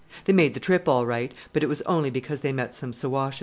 They made the trip all right, but it was only because they met some Siwashes."